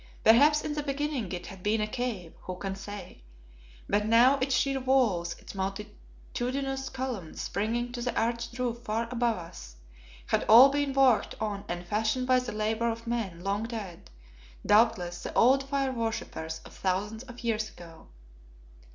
Perhaps in the beginning it had been a cave, who can say? but now its sheer walls, its multitudinous columns springing to the arched roof far above us, had all been worked on and fashioned by the labour of men long dead; doubtless the old fire worshippers of thousands of years ago.